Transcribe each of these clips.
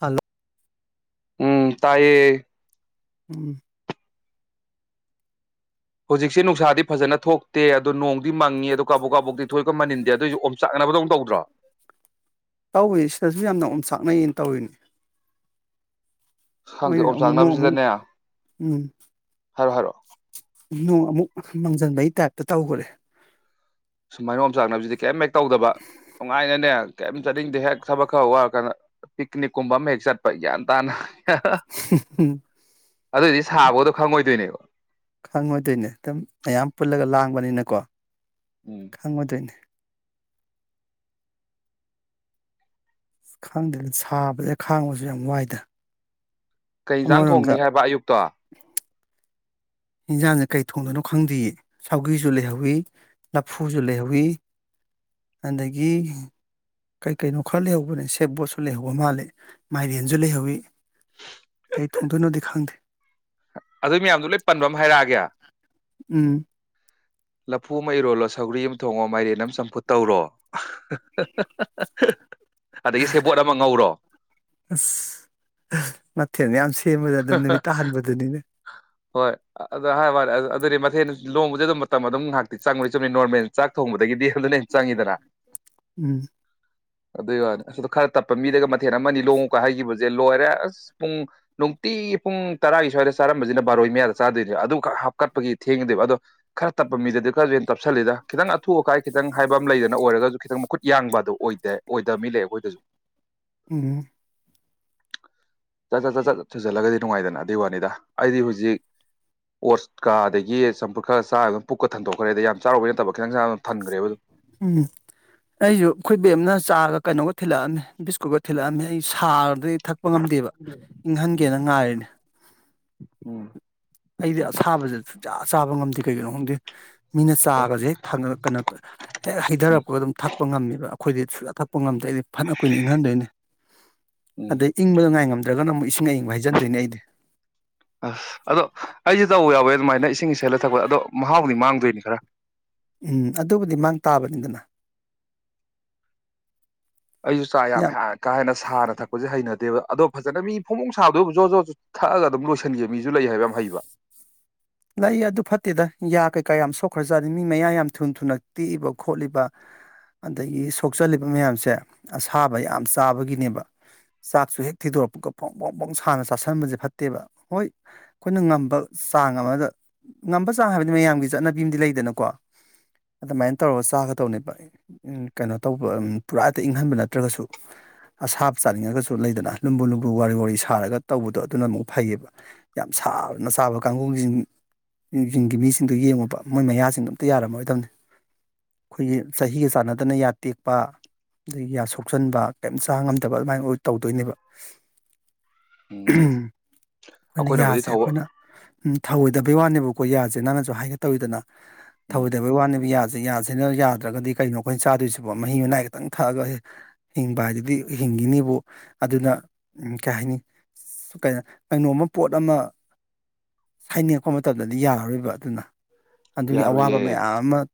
hello ꯎꯝ ꯇꯥꯌꯦ ꯎꯝ ꯍꯧꯖꯤꯛꯁꯦ ꯅꯨꯡꯁꯥꯗꯤ ꯐꯖꯅ ꯊꯣꯛꯇꯦ ꯑꯗꯣ ꯅꯣꯡꯗꯤ ꯃꯪꯉꯤ ꯑꯗꯣ ꯀꯥꯕꯣꯛ ꯀꯥꯕꯣꯛꯗꯤꯤ ꯊꯣꯏꯒ ꯃꯅꯤꯟꯗꯦ ꯑꯗꯨꯑꯣꯏꯁꯨ ꯑꯣꯝꯆꯥꯛꯅꯕꯗꯧ ꯇꯧꯗ꯭ꯔꯣ ꯇꯧꯏꯤ ꯁꯤꯗꯁꯨ ꯌꯥꯝꯅ ꯑꯣꯝ ꯁꯥꯛꯅꯩꯌꯦꯅ ꯇꯧꯏꯤꯅꯦ ꯈꯪꯗꯦ ꯑꯣꯝ ꯅꯣꯡ ꯑꯃꯨꯛ ꯆꯥꯛꯅꯕꯁꯤꯗꯅꯦ ꯎꯝ ꯍꯥꯏꯔꯛꯑꯣ ꯍꯥꯏꯔꯛꯑꯣ ꯅꯣꯡ ꯑꯃꯨꯛ ꯃꯥꯡꯁꯤꯟꯕꯩ ꯇꯥꯏꯞꯇ ꯇꯧꯈ꯭ꯔꯦ ꯁꯨꯃꯥꯏꯅꯣ ꯑꯃ ꯆꯥꯟꯅꯕꯁꯤꯗꯤ ꯀꯩ ꯇꯧꯗꯕ ꯅꯨꯡꯉꯥꯏꯅꯅꯦ ꯀꯩꯝ ꯆꯠꯅꯤꯡꯗꯦ ꯍꯦꯛ ꯊꯕꯛ ꯈꯔ ꯋꯥꯔꯀꯥꯟꯗ ꯄꯤꯛꯅꯤꯛꯀꯨꯝꯕ ꯑꯃ ꯍꯦꯛ ꯆꯠꯄ ꯒ꯭ꯌꯥꯟ ꯇꯥꯅ ꯎꯝ ꯑꯗꯨꯑꯣꯏꯗꯤ ꯁꯥꯕꯣꯗꯣ ꯈꯪꯉꯣꯏꯗꯣꯏꯅꯦꯕꯣ ꯈꯪꯉꯣꯏꯗꯣꯏꯅꯦ ꯑꯗꯨꯝ ꯃꯌꯥꯝ ꯄꯨꯜꯂꯒ ꯂꯥꯡꯕꯅꯤꯅꯀꯣ ꯎꯝ ꯈꯪꯎ ꯗꯣꯏꯅꯦ ꯈꯥꯡꯗꯦꯅꯦ ꯁꯥꯕꯁꯦ ꯈꯥꯡꯕꯁꯨ ꯌꯥꯝ ꯋꯥꯏꯗ ꯀꯩ ꯏꯟꯖꯥꯡ ꯊꯣꯡꯅꯤ ꯑꯃꯔꯣꯝꯗ ꯍꯥꯏꯕ ꯑꯌꯨꯛꯇꯣ [unintelligible] ꯍꯟꯁꯥꯡꯁꯦ ꯀꯩ ꯊꯣꯡꯗꯣꯏꯅꯣ ꯈꯪꯗꯦꯌꯦ ꯁꯥꯎꯒꯤꯁꯨ ꯂꯩꯍꯧꯋꯤ ꯂꯐꯨꯁꯨ ꯂꯩꯍꯧꯋꯤ ꯑꯗꯒꯤ ꯀꯩꯀꯩꯅꯣ ꯈꯔ ꯂꯩꯍꯧꯕꯅꯦ ꯁꯦꯞꯕꯣꯠꯁꯨ ꯂꯩꯍꯧꯕ ꯃꯥꯜꯂꯦ ꯃꯥꯏꯔꯦꯟꯁꯨ ꯂꯩꯍꯧꯋꯤ ꯀꯩ ꯊꯣꯡꯗꯣꯏꯅꯣꯗꯤ ꯈꯪꯗꯦ ꯑꯗꯨꯏ ꯃꯌꯥꯝꯗꯣ ꯂꯣꯏ ꯄꯟꯕ ꯑꯃ ꯍꯥꯏꯔꯛꯑꯒꯦ ꯎꯝ ꯂꯐꯨ ꯑꯃ ꯏꯔꯣꯜꯂꯣ ꯁꯧꯒ꯭ꯔꯤ ꯑꯃ ꯊꯣꯡꯉꯣ ꯃꯥꯏꯔꯦꯟ ꯑꯃ ꯆꯝꯐꯨꯠ ꯇꯧꯔꯣ ꯑꯗꯒꯤ ꯁꯦꯄꯣꯠ ꯑꯃ ꯉꯧꯔꯣ ꯃꯦꯁꯤ ꯊꯦꯃꯗ ꯅꯃꯤ ꯇꯍꯥꯟꯕꯕꯗꯨꯅꯤꯅ ꯑ ꯍꯥꯏ ꯋꯥꯦ ꯑꯗꯨꯗꯤ ꯃꯊꯦꯜ ꯂꯣꯡꯕꯁꯦ ꯑꯗꯨꯝ ꯃꯇꯝ ꯑꯗꯨꯝ ꯉꯥꯏꯍꯇꯤ ꯆꯪꯉꯣꯏ ꯆꯨꯝꯕꯅꯤ ꯅꯣꯔꯃꯦꯜ ꯆꯥꯛ ꯊꯣꯡꯕꯗꯒꯤꯗꯤ ꯑꯗꯨꯅ ꯆꯪꯉꯤꯗꯅ ꯎꯝ ꯑꯗꯨꯏ ꯋꯥꯅꯤ ꯑꯗ ꯈꯔ ꯇꯞꯄ ꯃꯤꯗꯒ ꯃꯊꯦꯜ ꯑꯃꯅꯤ ꯂꯣꯡꯉꯨꯀ ꯍꯥꯏꯈꯤꯕꯁꯦ ꯂꯣꯏꯔꯦ ꯑꯁ ꯄꯨꯡ ꯅꯨꯡꯇꯤ ꯄꯨꯡ ꯇꯔꯥꯒꯤ ꯁ꯭ꯋꯥꯏꯗ ꯆꯥꯔꯝꯕꯁꯤꯅ ꯕꯥꯔꯣꯏ ꯃꯌꯥꯗ ꯆꯥꯗꯣꯏꯅꯦ ꯑꯗꯨ ꯈ ꯍꯥꯞꯀꯠꯄꯒꯤ ꯊꯦꯡꯗꯦꯕ ꯑꯗꯣ ꯈꯔ ꯇꯞꯄ ꯃꯤꯗꯗꯤ ꯈꯔꯁꯨ ꯍꯦꯩꯅ ꯇꯞꯁꯤꯜꯂꯤꯗ ꯈꯤꯇꯪ ꯑꯊꯨ ꯑꯀꯥꯏ ꯈꯤꯇꯪ ꯍꯥꯏꯕ ꯑꯃ ꯂꯩꯗꯅ ꯑꯣꯏꯔꯒꯁꯨ ꯈꯤꯇꯪ ꯃꯈꯨꯠ ꯌꯥꯡꯕ ꯑꯗꯨ ꯑꯣꯏꯗꯦ ꯑꯣꯏꯗꯕ ꯃꯤ ꯂꯩ ꯑꯩꯈꯣꯏꯗꯁꯨ ꯎꯝ ꯆ ꯆ ꯆ ꯆ ꯁꯨꯖꯜꯂꯒꯗꯤ ꯅꯨꯡꯉꯥꯏꯗꯅ ꯑꯗꯨꯏ ꯋꯥꯅꯤꯗ ꯑꯩꯗꯤ ꯍꯧꯖꯤꯛ ꯑꯣꯠꯁꯀ ꯑꯗꯒꯤ ꯆꯝꯐꯨꯠ ꯈꯔ ꯆꯥ ꯑꯗꯨꯝ ꯄꯨꯛꯀ ꯊꯟꯗꯣꯛꯈ꯭ꯔꯦ ꯑꯗ ꯌꯥꯝ ꯆꯥꯔꯨꯕꯩ ꯅꯠꯇꯕ ꯈꯤꯇꯪ ꯆꯥꯕ ꯎꯝ ꯑꯩꯁꯨ ꯈꯣꯏꯕꯦꯝꯅ ꯆꯥꯔꯒ ꯀꯩꯅꯣꯒ ꯕꯤꯁꯀꯨꯕꯥ ꯑꯩ ꯁꯔ ꯑꯩ ꯊꯛꯄ ꯉꯝꯗꯦꯕ ꯎꯝ ꯏꯪꯍꯟꯒꯦꯅ ꯉꯥꯏꯔꯤꯅꯤ ꯎꯝ ꯑꯩꯗꯤ ꯑꯁꯥꯕꯁꯦꯨꯡꯖꯥ ꯑ ꯆꯥꯕ ꯉꯝꯗꯦ ꯀꯩꯒꯤꯅꯣ ꯈꯪꯗꯦ ꯃꯤꯅ ꯑꯣ ꯆꯥꯒꯁꯦꯦꯛ ꯀꯩꯅꯣ ꯍꯦꯛ ꯎꯝ ꯍꯩꯊꯔꯛꯄꯒ ꯑꯗꯨꯝꯛ ꯊꯛꯄ ꯉꯝꯃꯦꯕ ꯑꯩꯈꯣꯏꯗꯤ ꯁꯨꯛꯥ ꯊꯛꯄ ꯉꯝꯗꯦꯗꯤ ꯐꯅ ꯑꯩ ꯀꯣꯏꯅ ꯏꯪꯍꯟꯗꯣꯏꯅꯦ ꯎꯝ ꯑꯗꯩ ꯏꯪꯕꯗ ꯉꯥꯏ ꯉꯝ ꯖꯒꯅꯝ ꯏꯁ ꯍꯪ ꯍꯥꯏꯖꯤꯟꯗꯣꯏꯅꯦ ꯑꯩꯗꯤ ꯑꯩꯁꯦ ꯇꯧ ꯌꯥꯎꯋꯦ ꯑꯗꯨꯃꯥꯏꯅ ꯏꯁꯤꯡ ꯏꯜꯂ ꯊꯛꯄꯗ ꯑꯗꯣ ꯃꯍꯥꯎꯗꯤ ꯃꯥꯡꯗꯣꯏꯅꯤ ꯈꯔ ꯎꯝ ꯑꯗꯨꯕꯨꯗꯤ ꯃꯥꯡ ꯇꯥꯕꯅꯤꯗꯅ ꯑꯩꯁꯨ ꯆꯥ ꯌꯥꯝ ꯍ ꯀꯥ ꯍꯦꯟꯅ ꯁꯥꯅ ꯊꯛꯄꯁꯦ ꯍꯩꯅꯗꯦꯕ ꯑꯗꯣ ꯐꯖꯅ ꯃꯤ ꯐꯣꯃꯣꯡ ꯁꯥꯕꯗꯨꯕꯨ ꯖꯣ ꯖꯣꯖ ꯊꯛꯑꯒ ꯑꯗꯨꯝ ꯂꯣꯏꯁꯤꯟꯒꯦ ꯃꯤꯁꯨ ꯂꯩ ꯍꯥꯏꯕ ꯌꯥꯝ ꯍꯩꯕ ꯂꯏ ꯑꯗꯨ ꯐꯠꯇꯦꯗ ꯌꯥ ꯀꯩꯀꯥ ꯌꯥꯝ ꯁꯣꯛꯈ꯭ꯔ ꯆꯥꯦ ꯃꯤ ꯃꯌꯥ ꯌꯥꯝ ꯊꯨꯅ ꯊꯨꯅ ꯇꯦꯛꯏꯕ ꯈꯣꯠꯂꯤꯕ ꯑꯗꯒꯤ ꯁꯣꯛꯆꯜꯂꯤꯕ ꯃꯌꯥꯝꯁꯦ ꯑꯁꯥꯕ ꯌꯥꯝ ꯆꯥꯕꯒꯤꯅꯦꯕ ꯆꯥꯛꯁꯨ ꯍꯦꯛ ꯊꯤꯗꯣꯔꯛꯄꯒ ꯄꯣꯡ ꯄꯣꯡ ꯐꯣꯡ ꯁꯅ ꯆꯥꯥꯁꯟꯕꯁꯦ ꯐꯠꯇꯦꯕ ꯍꯣꯏ ꯑꯩꯈꯣꯏꯅ ꯉꯝꯕ ꯆꯥꯡ ꯑꯃꯗ ꯉꯝꯕ ꯆꯥ ꯍꯥꯏꯕꯗꯤ ꯃꯌꯥꯝꯒꯤ ꯆꯠꯅꯕꯤ ꯑꯃꯗꯤ ꯂꯩꯗꯅꯀꯣ ꯑꯗꯨꯃꯥꯏꯅ ꯇꯧꯔꯒ ꯆꯥꯒꯗꯧꯅꯦꯕ ꯀꯩꯅꯣ ꯇꯧꯕ ꯄꯨꯔꯥꯇ ꯏꯪꯍꯟꯕ ꯅꯠꯇ꯭ꯔꯒꯁꯨ ꯑꯁꯥꯕ ꯆꯥꯅꯤꯡꯉꯒꯁꯨ ꯂꯩꯗꯅ ꯂꯨꯝꯕꯨ ꯂꯨꯝꯕꯨ ꯋꯥꯔꯤ ꯁꯥꯔꯒ ꯇꯧꯕꯗꯣ ꯑꯗꯨꯅ ꯑꯃꯨꯛ ꯐꯩꯌꯦꯕ ꯌꯥꯝ ꯁꯥꯅ ꯆꯥꯕ ꯀꯥꯡꯒꯨꯁꯤꯡ ꯌꯤꯡꯒꯤ ꯃꯤꯁꯤꯡꯗꯣ ꯌꯦꯡꯉꯨꯕ ꯃꯣꯏ ꯃꯌꯥꯁꯤꯡꯗꯣ ꯑꯝꯇ ꯌꯥꯔꯝꯃꯣꯏꯗꯕꯅꯤ ꯑꯩꯈꯣꯏꯒꯤ ꯆꯍꯤꯒ ꯆꯥꯟꯅꯗꯅ ꯌꯥ ꯇꯦꯛꯄ ꯑꯗꯒꯤ ꯌꯥ ꯁꯣꯛꯆꯟꯕ ꯀꯔꯤꯝꯇ ꯆꯥ ꯉꯝꯗꯕ ꯑꯗꯨꯃꯥꯏꯅ ꯑꯣꯏ ꯇꯧꯗꯣꯏꯅꯦꯕ ꯎꯝ ꯑꯩꯈꯣꯏꯅ ꯑꯩꯈꯣꯏꯅꯕꯨꯗꯤ ꯌꯥꯁꯦ ꯊꯧꯕ ꯑꯩꯈꯣꯏꯅ ꯎ ꯊꯥꯎꯋꯏ ꯗ ꯕꯩ ꯋꯥꯟꯅꯦꯕꯀꯣ ꯌꯥꯁꯦ ꯅꯪꯅꯁꯨ ꯍꯥꯏꯒꯦ ꯇꯧꯋꯤꯗꯅ ꯎꯝ ꯊꯧꯑꯣꯏꯗꯕꯩ ꯋꯥꯟꯅꯕ ꯌꯥꯁꯦ ꯌꯥꯁꯦꯅ ꯌꯥꯗ꯭ꯔꯒꯗꯤ ꯀꯩꯅꯣ ꯑꯩꯈꯣꯏꯅ ꯆꯥꯗꯣꯏꯁꯤꯕꯣ ꯃꯍꯤ ꯃꯅꯥꯏ ꯈꯤꯛꯇꯪ ꯊꯛꯑꯒ ꯍꯤꯡꯕ ꯍꯥꯏꯗꯨꯗꯤ ꯍꯤꯡꯈꯤꯅꯤꯕꯨ ꯑꯗꯨꯅ ꯀꯩ ꯍꯥꯏꯅꯤ ꯀꯩꯅꯣꯝꯃ ꯄꯣꯠ ꯑꯃ ꯍꯥꯏꯅꯤꯡ ꯊꯣꯛꯣꯄ ꯃꯇꯝꯗꯗꯤ ꯌꯥꯔꯔꯣꯏꯕ ꯑꯗꯨꯅ ꯑꯗꯨꯒꯤ ꯑꯋꯥꯕ ꯌꯥꯔꯣꯏꯌꯦ ꯃꯌꯥꯝ ꯑꯃ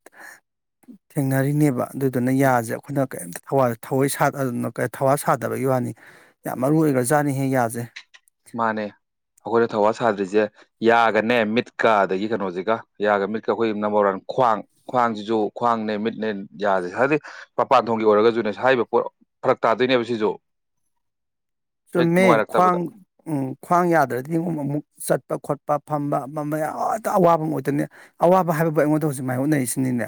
ꯊꯦꯡꯅꯔꯤꯅꯦꯕ ꯑꯗꯨꯗꯨꯅ ꯌꯥꯁꯦ ꯑꯩꯈꯣꯏꯅ ꯀꯔꯤꯝꯇ ꯊꯋꯥꯏꯅ ꯊꯋꯥ ꯁꯥꯗꯕꯒꯤ ꯋꯥꯅꯤ ꯌꯥꯝ ꯃꯔꯨ ꯑꯣꯏꯈ꯭ꯔꯥꯖꯥꯠꯅꯤ ꯍꯦꯛ ꯌꯥꯖꯩ ꯃꯥꯅꯦ ꯑꯩꯈꯣꯏꯅ ꯊꯧꯋꯥ ꯁꯥꯗ꯭ꯔꯤꯁꯦ ꯌꯥꯒꯅꯦ ꯃꯤꯠꯀ ꯑꯗꯒꯤ ꯀꯩꯅꯣꯁꯤꯒ ꯌꯥꯒ ꯃꯤꯠꯀ ꯑꯩꯈꯣꯏꯒꯤ ꯅꯝꯕꯔ ꯋꯥꯟ ꯈ꯭ꯋꯥꯡ ꯈ꯭ꯋꯥꯡꯁꯤꯁꯨ ꯈ꯭ꯋꯥꯡꯅꯦ ꯃꯤꯠꯅꯦ ꯌꯥꯁꯦ ꯍꯥꯏꯗꯤ ꯃꯄꯥꯟꯊꯣꯡꯒꯤ ꯑꯣꯏꯔꯒꯁꯨꯅꯦ ꯍꯥꯏꯔꯤꯕ ꯄꯣꯠ ꯐꯔꯛ ꯇꯥꯗꯣꯏꯅꯦꯕ ꯁꯤꯁꯨ ꯍꯦꯛ ꯆꯨꯝꯃꯦ ꯅꯨꯡꯉꯥꯏꯔꯛꯇꯕꯗ ꯈ꯭ꯋꯥꯡ ꯎꯝ ꯈ꯭ꯋꯥꯡ ꯌꯥꯗ꯭ꯔꯗꯤꯉ ꯑꯃꯨꯛ ꯆꯠꯄ ꯈꯣꯠꯄ ꯐꯝꯕ ꯐꯝꯕ ꯌꯥꯝꯇ ꯑꯋꯥꯕ ꯑꯃ ꯑꯣꯏꯗꯣꯏꯅꯦ ꯑꯋꯥꯕ ꯍꯥꯏꯕꯕꯨ ꯑꯩꯉꯣꯟꯗ ꯍꯧꯖꯤꯛ ꯃꯥꯏꯌꯣꯛꯅꯔꯤꯁꯤꯅꯤꯅꯦ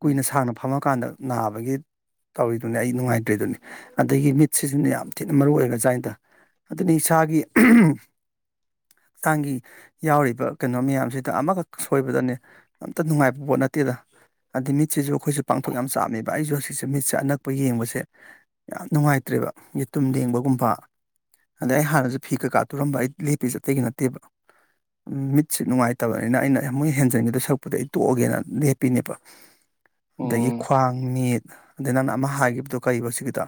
ꯀꯨꯏꯅ ꯎꯝ ꯁꯥꯡꯅ ꯐꯝꯃꯀꯥꯟꯗ ꯅꯥꯕꯒꯤ ꯇꯧꯔꯤꯗꯨꯅꯤ ꯑꯩ ꯅꯨꯡꯉꯥꯏꯇ꯭ꯔꯤꯗꯨꯅꯤ ꯑꯗꯒꯤ ꯃꯤꯠꯁꯤꯁꯨꯅ ꯌꯥꯝ ꯊꯤꯅ ꯃꯔꯨ ꯑꯣꯏꯅ ꯁꯋꯥꯏꯟꯗ ꯑꯗꯨꯅꯤ ꯏꯁꯥꯒꯤ ꯍꯛꯆꯥꯡꯒꯤ ꯌꯥꯎꯔꯤꯕ ꯀꯩꯅꯣ ꯃꯌꯥꯝꯁꯤꯗ ꯑꯃꯈꯛ ꯁꯣꯏꯕꯗꯅꯦ ꯑꯝꯇ ꯅꯨꯡꯉꯥꯏꯕ ꯄꯣꯠ ꯅꯠꯇꯦꯗ ꯍꯥꯏꯗꯤ ꯃꯤꯠꯁꯤꯁꯨ ꯑꯩꯈꯣꯏꯁꯨ ꯄꯥꯡꯊꯣꯛ ꯌꯥꯝ ꯆꯥꯝꯃꯦꯕ ꯑꯩꯁꯨ ꯑꯁꯤꯖꯤꯛꯁꯦ ꯃꯤꯠꯁꯦ ꯑꯅꯛꯄ ꯌꯦꯡꯕꯁꯦ ꯌꯥꯝ ꯅꯨꯡꯉꯥꯏꯇ꯭ꯔꯦꯕ ꯌꯦꯇꯨꯝ ꯂꯦꯡꯕꯒꯨꯝꯕ ꯑꯗꯩ ꯑꯩ ꯍꯥꯟꯅꯁꯨ ꯐꯤ ꯀꯩꯀꯥ ꯇꯨꯔꯝꯕ ꯑꯩ ꯂꯦꯞꯄꯤ ꯆꯇꯩꯒꯤ ꯅꯠꯇꯦꯕ ꯃꯤꯠꯁꯦ ꯅꯨꯡꯉꯥꯏꯇꯕꯅꯤꯅ ꯑꯩꯅ ꯃꯨꯣꯏ ꯍꯦꯟꯖꯟꯉꯗ ꯁꯛꯄꯗ ꯑꯩ ꯇꯣꯛꯑꯒꯦꯅ ꯂꯦꯞꯄꯤꯅꯦꯕ ꯑꯗꯒꯤ ꯎꯝ ꯈ꯭ꯋꯥꯡ ꯃꯤꯠ ꯑꯗꯩ ꯅꯪꯅ ꯑꯃ ꯍꯥꯏꯈꯤꯕꯗꯣ ꯀꯔꯤꯕꯣ ꯁꯤꯒꯤꯗ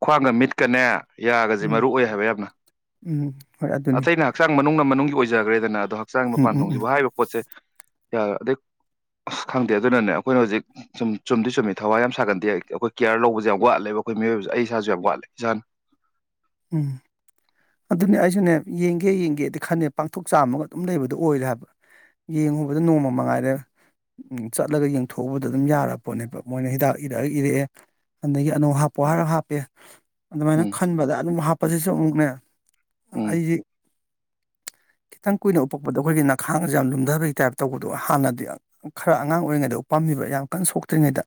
ꯈ꯭ꯋꯥꯒ ꯃꯤꯠ ꯆꯠꯀꯅꯦ ꯌꯥꯒꯁꯦ ꯃꯔꯨꯑꯣ ꯑꯣꯏ ꯍꯥꯏꯕ ꯌꯥꯝꯅ ꯎꯝ ꯍꯣꯏ ꯑꯗꯨꯅꯤ ꯑꯇꯩꯩꯅ ꯍꯛꯆꯥꯡ ꯃꯅꯨꯡ ꯃꯅꯨꯡꯒꯤ ꯑꯣꯏꯖꯈ꯭ꯔꯦꯗꯅ ꯑꯗꯣ ꯍꯛꯥꯡ ꯎꯝ ꯃꯥꯟ ꯎꯝ ꯊꯣꯡꯖꯕ ꯎꯝ ꯍꯥꯏꯔꯤꯕ ꯄꯣꯠꯦ ꯁ ꯌꯥ ꯑꯗꯩ ꯑꯁ ꯈꯪꯗꯦ ꯑꯗꯨꯅꯅꯦ ꯑꯩꯈꯣꯏꯅ ꯍꯧꯖꯤꯛ ꯁꯨꯝ ꯆꯨꯝꯗꯤ ꯆꯨꯝꯃꯤ ꯊꯋꯥꯏ ꯌꯥꯝꯅ ꯁꯥꯒꯟꯗꯦ ꯍꯥꯏ ꯑꯩꯈꯣꯏ ꯀꯤꯌꯥꯔ ꯂꯧꯕꯁꯦ ꯌꯥꯝ ꯋꯥꯠꯂꯦꯕ ꯑꯩꯈꯣꯏ ꯃꯤꯑꯣꯏꯕꯕꯁꯤꯦ ꯑꯩ [unintelligible] ꯎꯝ ꯑꯗꯨꯅꯦ ꯑꯩꯁꯨꯅꯦ ꯌꯦꯡꯒꯦ ꯌꯦꯡꯒꯦꯗꯤ ꯈꯟꯅꯦ ꯄꯥꯡꯊꯣꯛ ꯆꯥꯝꯃꯒ ꯑꯗꯨꯝ ꯂꯩꯕꯗꯣ ꯑꯣꯏꯔꯦ ꯍꯥꯏꯕ ꯌꯦꯡꯉꯨꯕꯗ ꯅꯣꯡꯃ ꯃꯉꯥꯏꯗ ꯆꯠꯂꯒ ꯌꯦꯡꯊꯣꯛꯎꯕꯗ ꯑꯗꯨꯝ ꯌꯥꯔ ꯄꯣꯠꯅꯦꯕ ꯃꯣꯏꯅ ꯍꯤꯗꯥꯛ ꯏꯔꯛꯑꯒ ꯏꯔꯛꯑꯦ ꯑꯗꯒꯤ ꯑꯅꯧ ꯍꯥꯞꯄꯣ ꯍꯥꯏꯔꯞ ꯍꯥꯞꯄꯦ ꯑꯗꯨꯃꯥꯏꯅ ꯎꯝ ꯈꯟꯕꯗ ꯑꯁꯤꯁꯨ ꯑꯃꯨꯛꯅꯦ ꯎꯝ ꯑꯩꯒꯤ ꯈꯤꯇꯪ ꯀꯨꯏꯅ ꯎꯄꯛꯄꯣ ꯑꯩꯈꯣꯏꯒꯤ ꯅꯈꯥꯡꯁꯦ ꯌꯥꯝ ꯂꯨꯝꯊꯕꯒꯤ ꯇꯥꯏꯞ ꯇꯧꯕꯗꯣ ꯍꯥꯟꯅꯗꯤ ꯈꯔ ꯑꯉꯥꯡ ꯑꯣꯏꯔꯤꯉꯩꯗ ꯎꯞꯄꯝꯃꯤꯕ ꯌꯥꯝ ꯀꯟꯅ ꯁꯣꯛꯇ꯭ꯔꯤꯉꯩꯗ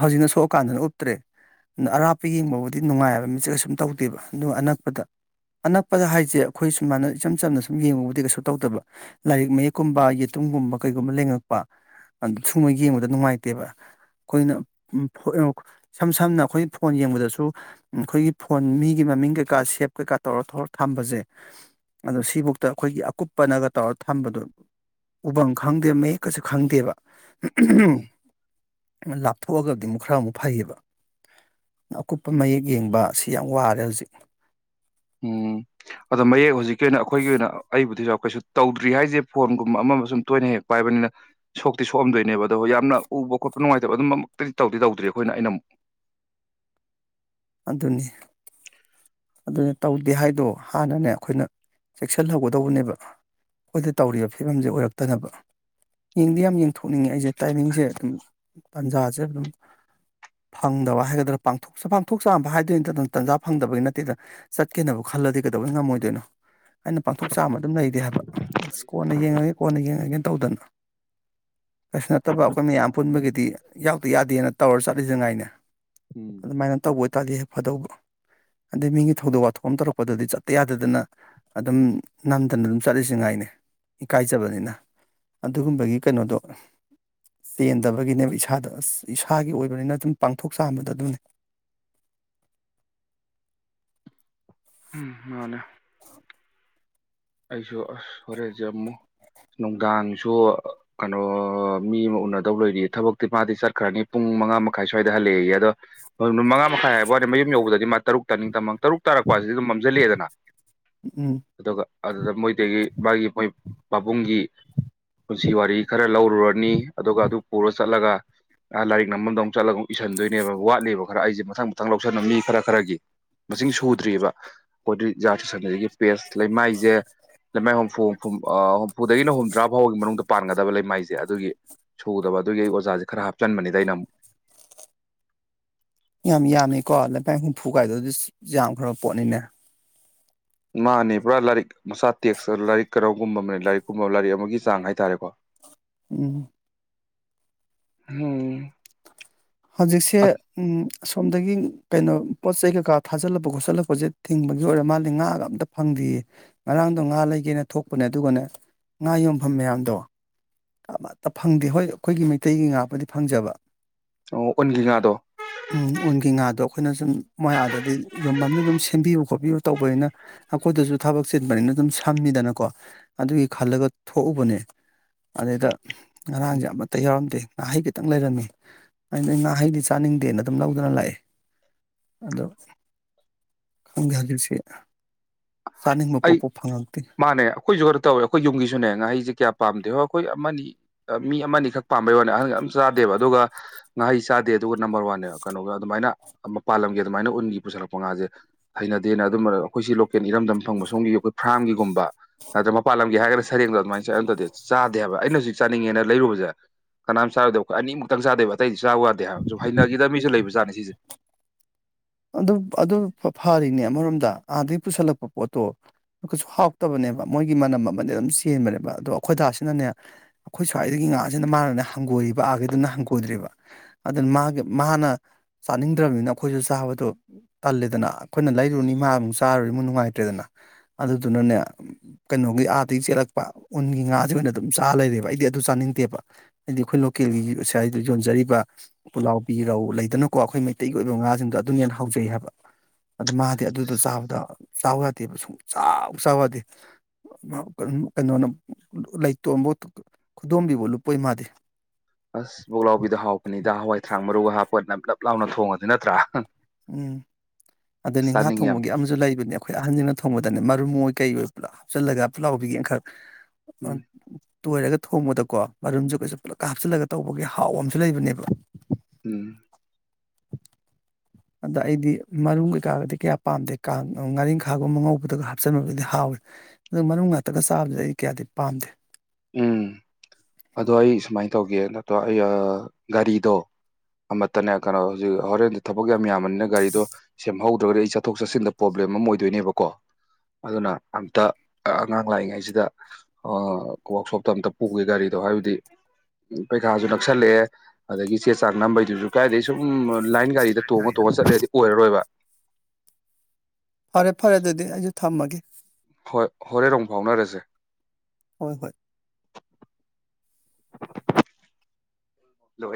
ꯍꯧꯖꯤꯛꯅ ꯁꯣꯛꯑꯀꯥꯟꯗꯅ ꯎꯞꯇ꯭ꯔꯦ ꯑꯗꯨꯅ ꯑꯔꯥꯞꯄ ꯌꯦꯡꯕꯕꯨꯗꯤ ꯅꯨꯡꯉꯥꯏꯑꯕ ꯃꯤꯠꯆꯠꯀ ꯁꯨꯝ ꯇꯧꯗꯦꯕ ꯑꯗꯨ ꯑꯅꯛꯄꯗ ꯑꯅꯛꯄꯗ ꯍꯥꯏꯁꯦ ꯑꯩꯈꯣꯏ ꯁꯨꯃꯥꯏꯅ ꯏꯆꯝ ꯆꯝꯅ ꯁꯨꯝ ꯌꯦꯡꯕꯕꯨꯗꯤ ꯀꯩꯁꯨ ꯇꯧꯗꯕ ꯂꯥꯏꯔꯤꯛ ꯃꯌꯦꯛꯀꯨꯝꯕ ꯌꯦꯇꯨꯝꯒꯨꯝꯕ ꯀꯩꯒꯨꯝꯕ ꯂꯦꯡꯉꯛꯄ ꯁꯨꯝꯕ ꯌꯦꯡꯕꯗ ꯅꯨꯡꯉꯥꯏꯇꯦꯕ ꯑꯩꯈꯣꯏꯅ ꯏꯁꯝ ꯁꯝꯅ ꯑꯩꯈꯣꯏ ꯐꯣꯟ ꯌꯦꯡꯕꯗꯁꯨ ꯑꯩꯈꯣꯏꯒꯤ ꯐꯣꯟ ꯃꯤꯒꯤ ꯃꯃꯤꯡ ꯀꯩꯀꯥ ꯁꯦꯞ ꯀꯩꯀꯥ ꯇꯧꯔ ꯊꯧꯔ ꯊꯝꯕꯁꯦ ꯑꯗꯣ ꯁꯤꯐꯧꯛꯇ ꯑꯩꯈꯣꯏꯒꯤ ꯑꯀꯨꯞꯄꯅꯒ ꯇꯧꯔꯒ ꯊꯝꯕꯗꯣ ꯎꯐꯝꯝ ꯈꯪꯗꯦ ꯃꯌꯦꯛꯀꯁꯨ ꯈꯪꯗꯦꯕ [unintelligible] ꯂꯥꯞꯊꯣꯛꯑꯒꯗꯤ ꯑꯃꯨꯛ ꯈꯔ ꯑꯃꯨꯛ ꯐꯩꯌꯦꯕ ꯑꯀꯨꯞꯄ ꯃꯌꯦꯛ ꯌꯦꯡꯕ ꯁꯤ ꯌꯥꯝ ꯋꯥꯔꯦ ꯍꯧꯖꯤꯛ ꯎꯝ ꯑꯗꯣ ꯃꯌꯦꯛ ꯍꯧꯖꯤꯛꯀꯤ ꯑꯣꯏꯅ ꯑꯩꯈꯣꯏꯒꯤ ꯑꯣꯏꯅ ꯑꯩꯕꯨꯗꯤꯁꯨ ꯀꯩꯁꯨ ꯇꯧꯗ꯭ꯔꯤ ꯍꯥꯏꯁꯦ ꯐꯣꯟꯒꯨꯝꯕ ꯑꯃ ꯁꯨꯝ ꯇꯣꯏꯅ ꯍꯦꯛ ꯄꯥꯏꯕꯅꯤꯅ ꯁꯣꯛꯇꯤ ꯁꯣꯛꯑꯝꯗꯣꯏꯅꯦꯕ ꯑꯗꯣ ꯌꯥꯝꯅ ꯎꯕ ꯈꯣꯠꯄ ꯅꯨꯡꯉꯥꯏꯇꯕ ꯑꯗꯨꯝ ꯑꯃꯃꯛꯇꯗꯤ ꯇꯧꯗꯤ ꯇꯧꯗ꯭ꯔꯤ ꯑꯩꯈꯣꯏꯅ ꯑꯩꯅ ꯑꯃꯨꯛ ꯑꯗꯨꯅꯤ ꯑꯗꯨꯅ ꯇꯧꯗꯦ ꯍꯥꯏꯗꯣ ꯍꯥꯟꯅꯅꯦ ꯑꯩꯈꯣꯏꯅ ꯆꯦꯛꯁꯤꯜꯍꯧꯒꯗꯧꯕꯅꯦꯕ ꯑꯩꯈꯣꯏꯗ ꯇꯧꯔꯤꯕ ꯐꯤꯕꯝꯁꯦ ꯑꯣꯏꯔꯛ ꯇꯅꯕ ꯌꯦꯡꯗꯤ ꯌꯥꯝ ꯌꯦꯡꯊꯣꯛꯅꯤꯡꯉꯦ ꯑꯩꯁꯦ ꯇꯥꯏꯃꯤꯡꯁꯦ ꯑꯗꯨꯝ ꯇꯥꯟꯖꯥꯁꯦ ꯑꯗꯨꯝ ꯐꯪꯗꯕ ꯍꯥꯏꯒꯗ꯭ꯔꯥ ꯄꯥꯡꯊꯣꯛ ꯄꯥꯡꯊꯣꯛ ꯆꯥꯝꯕ ꯍꯥꯏꯗꯣꯏ ꯅꯠꯇꯅ ꯇꯥꯟꯖꯥ ꯐꯪꯗꯕꯒꯤ ꯅꯠꯇꯦ ꯦꯗ ꯆꯠꯀꯦꯅꯕꯨ ꯈꯜꯂꯗꯤ ꯀꯩꯗꯧꯕꯩ ꯉꯝꯃꯣꯏꯗꯣꯏꯅꯣ ꯑꯩꯅ ꯄꯥꯡꯊꯣꯛ ꯆꯥꯃ ꯑꯗꯨꯝ ꯂꯩꯗꯦ ꯍꯥꯏꯕ ꯑꯁ ꯀꯣꯟꯅ ꯌꯦꯡꯉꯒꯦ ꯀꯣꯟꯅ ꯌꯦꯡꯉꯒꯦꯅ ꯇꯧꯗꯅ ꯀꯩꯁꯨ ꯅꯠꯇꯕ ꯑꯩꯈꯣꯏ ꯃꯌꯥꯝ ꯄꯨꯟꯕꯒꯤꯗꯤ ꯌꯥꯎꯗ ꯌꯥꯗꯦꯅ ꯇꯧꯔ ꯆꯠꯂꯤꯁ ꯉꯥꯏꯅꯦ ꯎꯝ ꯑꯗꯨꯃꯥꯏꯅ ꯇꯧꯕ ꯇꯗꯤ ꯍꯦ ꯐꯗꯧꯕ ꯑꯗꯩ ꯃꯤꯒꯤ ꯊꯧꯗꯣꯛ ꯋꯥꯊꯣꯛ ꯑꯃ ꯇꯧꯔꯛꯄꯗꯗꯤ ꯆꯠꯇ ꯌꯥꯗꯗꯅ ꯑꯗꯨꯝ ꯅꯝꯗꯅ ꯑꯗꯨꯝ ꯆꯠꯂꯤꯁꯤ ꯉꯥꯏꯅꯦ ꯏꯀꯥꯏꯖꯕꯅꯤꯅ ꯑꯗꯨꯒꯨꯝꯕꯒꯤ ꯀꯩꯅꯣꯗꯣ ꯆꯦꯟꯗꯕꯒꯤꯅꯦꯕ ꯏꯁꯥꯗ ꯑꯁ ꯏꯁꯥꯒꯤ ꯑꯣꯏꯕꯅꯤꯅ ꯑꯗꯨꯝ ꯄꯥꯡꯊꯣꯛ ꯆꯥꯝꯕꯗ ꯑꯗꯨꯝꯅꯤ ꯎꯝ ꯃꯥꯅꯦ ꯑꯩꯁꯨ ꯑꯁ ꯍꯣꯔꯦꯟꯁ ꯑꯃꯨ ꯅꯨꯡꯗꯥꯡꯁꯨ ꯀꯩꯅꯣ ꯃꯤ ꯑꯃ ꯎꯅꯗꯧ ꯂꯩꯣꯏꯔꯤꯌꯦ ꯊꯕꯛꯇꯤ ꯃꯥꯗꯤ ꯆꯠꯈ꯭ꯔꯅꯤ ꯄꯨꯡ ꯃꯉꯥ ꯃꯈꯥꯏ ꯁ꯭ꯋꯥꯏꯗ ꯍꯜꯂꯛꯑꯏꯦ ꯑꯗꯣ ꯃꯉꯥ ꯃꯈꯥꯏ ꯍꯥꯏꯕ ꯋꯥꯅꯤ ꯃꯌꯨꯝ ꯌꯧꯕꯗꯗꯤ ꯃꯥ ꯇꯔꯨꯛ ꯇꯥꯅꯤꯡ ꯇꯃ ꯇꯔꯨꯛ ꯇꯥꯔꯛꯄꯁꯤꯗꯤ ꯑꯗꯨꯝ ꯃꯝꯁꯤꯜꯂꯛꯑꯦꯗꯅ ꯎꯝ ꯑꯗꯨꯒ ꯑꯗꯨꯗ ꯃꯣꯏꯇꯩꯒꯤ ꯃꯥꯒꯤ ꯃꯣꯏ ꯄꯕꯨꯡꯒꯤ ꯄꯨꯟꯁꯤ ꯋꯥꯔꯤ ꯈꯔ ꯂꯧꯔꯨꯔꯅꯤ ꯑꯗꯨꯒ ꯑꯗꯨ ꯄꯨꯔ ꯆꯠꯂꯒ ꯂꯥꯏꯔꯤꯛ ꯅꯝꯕꯥꯝꯗ ꯑꯃꯨꯛ ꯆꯠꯂꯒ ꯏꯁꯤꯟꯗꯣꯏꯅꯦꯕ ꯋꯥꯠꯂꯦꯕ ꯈꯔ ꯑꯩꯁꯦ ꯃꯊꯪ ꯃꯊꯪ ꯂꯧꯁꯟꯕ ꯃꯤ ꯈꯔ ꯈꯔꯒꯤ ꯃꯁꯤꯡ ꯁꯨꯗ꯭ꯔꯤꯕ ꯑꯩꯈꯣꯏꯗꯤ ꯖꯥꯠꯁꯟꯗꯒꯤ ꯄꯦꯁ ꯂꯩꯃꯥꯏ ꯍꯨꯝꯐꯨ ꯍꯨꯝꯐꯨ ꯑꯥ ꯍꯨꯝꯐꯨꯗꯒꯤꯅ ꯍꯨꯝꯗ꯭ꯔꯥ ꯐꯥꯎꯕꯒꯤ ꯃꯅꯨꯡꯗ ꯄꯥꯟꯒꯗꯕ ꯂꯩꯃꯥꯏꯁꯦ ꯑꯗꯨꯒꯤ ꯁꯨꯗꯕ ꯑꯗꯨꯒꯤ ꯑꯣꯖꯥꯁꯦ ꯈꯔ ꯍꯥꯞꯆꯟꯕꯅꯤꯗ ꯑꯩꯅ ꯑꯃꯨꯛ ꯌꯥꯝ ꯌꯥꯝꯃꯤꯀꯣ [unintelligible] ꯍꯨꯝꯐꯨ ꯀꯥꯏꯗꯨꯗꯤ ꯑꯁ ꯌꯥꯝꯈ꯭ꯔꯕ ꯄꯣꯠꯅꯤꯅꯦ ꯎꯥ ꯑꯅꯤ ꯄꯨꯔꯥ ꯂꯥꯏꯔꯤꯛ ꯃꯁꯥ ꯇꯦꯛꯁ ꯂꯥꯏꯔꯤꯛ ꯀꯔꯒꯨꯝꯕ ꯑꯃ ꯂꯥꯏꯔꯤꯛꯀꯨꯝꯕ ꯂꯥꯏꯔꯤꯛ ꯑꯃꯒꯤ ꯆꯥꯡ ꯍꯥꯏꯇꯥꯥꯔꯦꯀꯣ ꯎꯝ ꯍꯝ ꯍꯧꯖꯤꯛꯁꯦ ꯎꯝ ꯑꯁꯣꯝꯗꯒꯤ ꯀꯩꯅꯣ ꯄꯣꯠ ꯆꯩ ꯀꯩꯀꯥ ꯊꯥꯖꯤꯜꯂꯛꯄ ꯈꯣꯠꯆꯜꯂꯛꯄꯁꯦ ꯊꯤꯡꯕꯒꯤ ꯑꯣꯏꯔ ꯃꯥꯜꯂꯤ ꯉꯥꯒ ꯑꯝꯇ ꯐꯪꯗꯦꯌꯦ ꯉꯔꯥꯡꯗꯣ ꯉꯥ ꯂꯩꯒꯦꯅ ꯊꯣꯛꯄꯅꯦ ꯑꯗꯨꯒꯅꯦ ꯉꯥ ꯌꯣꯟꯐꯝ ꯃꯌꯥꯝꯗꯣ ꯑꯃꯠꯇ ꯐꯪꯗꯦ ꯍꯣꯏ ꯑꯩꯈꯣꯏꯒꯤ ꯃꯩꯇꯩꯒꯤ ꯉꯥꯕꯨꯗꯤ ꯐꯪꯖꯕ ꯑꯣꯟꯒꯤ ꯉꯥꯗꯣ ꯎꯝ ꯎꯟꯒꯤ ꯉꯥꯗꯣ ꯑꯩꯈꯣꯏꯅ ꯁꯨꯝ ꯃꯌꯥ ꯑꯗꯗꯤ ꯌꯣꯟꯐꯝꯗ ꯑꯗꯨꯝ ꯁꯦꯝꯕꯤꯌꯨ ꯈꯣꯠꯄꯤꯌꯨ ꯇꯧꯕꯅꯤꯅ ꯑꯩꯈꯣꯏꯗꯁꯨ ꯊꯕꯛ ꯆꯤꯟꯕꯅꯤꯅ ꯑꯗꯨꯝ ꯁꯝꯃꯤꯗꯅꯀꯣ ꯑꯗꯨꯒꯤ ꯈꯜꯂꯒ ꯊꯣꯛꯎꯕꯅꯦ ꯑꯗꯨꯗ ꯉꯔꯥꯡꯁꯦ ꯑꯃꯠꯇ ꯌꯥꯎꯔꯝꯗꯦ ꯉꯥꯍꯩ ꯈꯤꯇꯪ ꯂꯩꯔꯝꯃꯤ ꯑꯩꯅ ꯉꯥꯍꯩꯗꯤ ꯆꯥꯅꯤꯡꯗꯦꯅ ꯑꯗꯨꯝ ꯂꯧꯗꯅ ꯂꯥꯛꯑꯦ ꯑꯗꯣ ꯈꯪꯗꯦ ꯍꯧꯖꯤꯛꯁꯤ ꯑꯩ ꯃꯥꯅꯦ ꯑꯩꯈꯣꯏꯁꯨ ꯈꯔ ꯇꯧꯋꯦ ꯑꯩꯈꯣꯏ ꯌꯨꯝꯒꯤꯁꯨꯅꯦ ꯉꯍꯩꯁꯦ ꯀꯌꯥ ꯄꯥꯝꯗꯦ ꯍꯣꯏ ꯑꯩꯈꯣꯏ ꯑꯃꯅꯤ ꯑ ꯃꯤ ꯑꯃꯅꯤ ꯑꯈꯛ ꯄꯥꯝꯕꯩ ꯋꯥꯅꯦ ꯑꯍꯟ ꯑꯝ ꯆꯥꯗꯦꯕ ꯑꯗꯨꯒ ꯉꯥꯍꯩ ꯆꯥꯗꯦ ꯑꯗꯨꯒ ꯅꯝꯕꯔ ꯋꯥꯟꯅꯦꯕ ꯀꯩꯅꯣꯒ ꯑꯗꯨꯃꯥꯏꯅ ꯑꯃ ꯄꯥꯜꯂꯝꯒꯦ ꯑꯗꯨꯃꯥꯏꯅ ꯎꯟꯒꯤ ꯄꯨꯁꯜꯂꯛꯄ ꯉꯥꯁꯦ ꯍꯩꯅꯗꯦꯅ ꯑꯗꯨꯝ ꯑꯩꯈꯣꯏ ꯁꯤ ꯂꯣꯀꯦꯜ ꯏꯔꯝꯗꯝ ꯐꯪꯕ ꯁꯣꯝꯒꯤ ꯑꯩꯈꯣꯏ ꯐꯥꯝꯒꯤꯒꯨꯝꯕ ꯅꯠꯇ꯭ꯔꯒ ꯃꯄꯥꯟ ꯂꯝꯒꯤ ꯍꯥꯏꯔꯒꯅ ꯁꯔꯦꯡꯗꯣ ꯑꯗꯨꯃꯥꯏꯅ ꯆꯥꯏ ꯗꯨ ꯅꯥꯠꯇꯔꯥꯗꯤ ꯆꯥꯗꯦ ꯍꯥꯏꯕ ꯑꯩꯅ ꯍꯧꯖꯤꯛ ꯆꯥꯅꯤꯡꯉꯦꯅ ꯂꯩꯔꯨꯕꯁꯦ ꯀꯅꯥꯝ ꯆꯥꯔꯣꯏꯗꯩꯩ ꯑꯩꯈꯣꯏ ꯑꯅꯤꯃꯨꯛꯇꯪ ꯆꯥꯗꯦꯕ ꯑꯇꯩꯗꯤ ꯆꯥꯕ ꯌꯥꯗꯦ ꯍꯥꯏꯕ ꯁꯨꯝ ꯍꯩꯅꯈꯤꯗ ꯃꯤꯁꯨ ꯂꯩꯕ ꯆꯥꯅꯤ ꯁꯤꯁꯦ ꯑꯗꯨ ꯑꯗꯨ ꯐꯔꯤꯅꯦ ꯑꯃꯔꯣꯝꯗ ꯑꯥꯗꯒꯤ ꯄꯨꯁꯜꯂꯛꯄ ꯄꯣꯠꯇꯣ ꯀꯩꯁꯨ ꯍꯥꯎꯇꯕꯅꯦꯕ ꯃꯣꯏꯒꯤ ꯃꯅꯝ ꯑꯃꯗꯤ ꯑꯗꯨꯝ ꯆꯦꯟꯕꯅꯦꯕ ꯑꯗꯣ ꯑꯩꯈꯣꯏ ꯗꯥꯁꯤꯅꯅꯦ ꯑꯩꯈꯣꯏ ꯁ꯭ꯋꯥꯏꯗꯒꯤ ꯉꯥꯁꯤꯅ ꯃꯥꯅꯅꯦ ꯍꯪꯒꯣꯏꯔꯤꯕ ꯑꯥꯒꯤꯗꯨꯅ ꯍꯪꯒꯣꯏꯗ꯭ꯔꯤꯕ ꯑꯗꯨꯅ ꯃꯥꯒꯤ ꯃꯥꯅ ꯆꯥꯅꯤꯡꯗ꯭ꯔꯕꯅꯤꯅ ꯑꯩꯈꯣꯏꯁꯨ ꯆꯥꯕ ꯑꯗꯣ ꯇꯜꯂꯦꯗꯅ ꯑꯩꯈꯣꯏꯅ ꯂꯩꯔꯨꯅꯤ ꯃꯥ ꯑꯃꯨꯛ ꯆꯥꯔꯨꯔꯤ ꯑꯃꯨꯛ ꯅꯨꯡꯉꯥꯏꯇ꯭ꯔꯦꯗꯅ ꯑꯗꯨꯗꯨꯅꯅꯦ ꯀꯩꯅꯣꯒꯤ ꯑꯥꯗꯒꯤ ꯆꯦꯜꯂꯛꯄ ꯎꯟꯒꯤ ꯉꯥꯁꯦ ꯑꯣꯏꯅ ꯑꯗꯨꯝ ꯆꯥ ꯂꯩꯔꯦꯕ ꯑꯩꯗꯤ ꯑꯗꯨ ꯆꯥꯅꯤꯡꯗꯦꯕ ꯍꯥꯏꯗꯤ ꯑꯩꯈꯣꯏ ꯂꯣꯀꯦꯜꯒꯤ ꯑꯁꯥꯏꯗ ꯌꯣꯟꯖꯔꯤꯕ ꯄꯨꯂꯥꯎꯕꯤ ꯔꯧ ꯂꯩꯗꯅꯀꯣ ꯑꯩꯈꯣꯏ ꯃꯩꯇꯩꯒꯤ ꯑꯣꯏꯕ ꯉꯥꯁꯤꯡꯗꯣ ꯑꯗꯨꯅ ꯍꯦꯟꯅꯥ ꯍꯥꯎꯖꯩ ꯍꯥꯏꯕ ꯑ ꯃꯥꯗꯤ ꯑꯗꯨꯗꯣ ꯆꯥꯕꯗ ꯆꯥꯎ ꯁꯨꯡ ꯆꯥꯎꯛ ꯆꯥ ꯌꯥꯗꯦ ꯀꯩꯅꯣꯅ ꯂꯩꯇꯣꯟꯐꯥꯎ ꯈꯨꯗꯣꯝꯕꯤꯕꯧ ꯂꯨꯞꯄꯣꯏ ꯃꯥꯗꯤ ꯑꯁ ꯄꯨꯛꯂꯎꯕꯤꯗꯣ ꯍꯥꯎꯕꯅꯤꯗ ꯍꯋꯥꯏ ꯊ꯭ꯔ ꯃꯔꯨꯒ ꯍꯥꯞꯄꯣꯠ ꯅꯞꯂꯞ ꯂꯥꯎꯅ ꯊꯣꯡꯉꯗꯤ ꯅꯠꯇ꯭ꯔꯥ ꯎꯝ ꯑꯗꯅꯤ ꯉꯥ ꯆꯥꯅꯤꯡꯉꯦ ꯌꯥꯝ ꯊꯣꯡꯕꯒꯤ ꯑꯃꯁꯨ ꯂꯩꯕꯅꯤ ꯑꯩꯈꯣꯏ ꯑꯍꯟꯁꯤꯡꯅ ꯊꯣꯡꯕꯗꯅꯦ ꯃꯔꯨꯝ ꯃꯣꯏ ꯀꯩ ꯑꯣꯏ ꯄꯨꯂꯞ ꯍꯥꯞꯆꯜꯂꯒ ꯄꯨꯂꯥꯎꯕꯤꯒꯦ ꯑꯃꯈꯛ ꯎꯝ [unintelligible] ꯇꯣꯏꯔꯒ ꯊꯣꯡꯕꯗꯀꯣ ꯃꯔꯨꯝꯁꯨ ꯀꯩꯁꯨ ꯄꯨꯂꯞꯀ ꯍꯥꯞꯆꯤꯜꯂꯒ ꯇꯧꯕꯒꯤ ꯍꯥꯎ ꯑꯃꯁꯨ ꯂꯩꯕꯅꯦꯕ ꯎꯝ ꯑꯗ ꯑꯩꯗꯤ ꯃꯔꯨꯝ ꯀꯩꯀꯥꯒꯗꯤ ꯀꯌꯥ ꯄꯥꯝꯗꯦ ꯉꯥꯔꯤꯡꯈꯥꯒꯨꯝꯕ ꯉꯧꯕꯗꯒ ꯍꯥꯞꯆꯤꯟꯕꯒꯗꯤ ꯍꯥꯎꯏ ꯑꯗꯨ ꯃꯔꯨꯝ ꯉꯥꯛꯇꯒ ꯆꯥꯕꯗꯤ ꯑꯩ ꯀꯌꯥꯗꯤ ꯄꯥꯝꯗꯦ ꯎꯝ ꯑꯗꯣ ꯑꯩ ꯁꯨꯃꯥꯏꯅ ꯇꯧꯒꯦ ꯅꯠꯇ꯭ꯔꯣ ꯑꯩ ꯒꯥꯔꯤꯗꯣ ꯑꯃꯠꯇꯅꯦ ꯀꯩꯅꯣ ꯍꯣꯔꯦꯟ ꯊꯕꯛ ꯌꯥꯝ ꯌꯥꯝ ꯅ ꯒꯥꯔꯤꯗꯣ ꯁꯦꯝꯍꯧ ꯅꯠꯇ꯭ꯔꯒꯗꯤ ꯑꯩ ꯆꯠꯊꯣꯛ ꯆꯠꯁꯤꯟꯗ ꯄ꯭ꯔꯣꯕ꯭ꯂꯦꯝ ꯑꯃ ꯑꯣꯏꯗꯣꯏꯅꯦꯕꯀꯣ ꯑꯗꯨꯅ ꯑꯝꯇ ꯑꯉꯥꯡ ꯂꯥꯛꯏꯉꯩꯁꯤꯗ ꯋꯥꯛꯁꯣꯞꯇ ꯑꯝꯇ ꯄꯨꯒꯦ ꯒꯥꯔꯤ ꯑꯗꯣ ꯍꯥꯏꯕꯗꯤ ꯄꯩꯈꯥꯁꯨ ꯅꯛꯁꯜꯂꯛꯑꯦ ꯑꯗꯒꯤ ꯆꯦ ꯆꯥꯛ ꯅꯝꯕꯩꯗꯨꯁꯨ ꯀꯥꯏꯗꯒꯤ ꯁꯨꯝ ꯂꯥꯏꯟ ꯒꯥꯔꯤꯗ ꯇꯣꯡꯉ ꯇꯣꯡꯉ ꯆꯠꯂꯩꯔ꯭ꯗꯤ ꯑꯣꯏꯔꯔꯣꯏꯕ ꯐꯔꯦ ꯐꯔꯦ ꯑꯗꯨꯗꯤ ꯑꯩꯁꯨ ꯊꯝꯃꯒꯦ ꯍꯣꯏ ꯍꯣꯔꯦꯟ ꯔꯣꯡ ꯐꯥꯎꯅꯔꯁꯦ ꯍꯣꯏ ꯍꯣꯏ